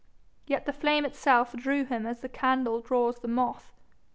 Yet the flame itself drew him as the candle draws the moth.